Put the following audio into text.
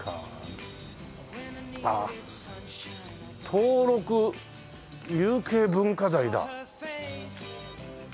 登録有形文化財だ。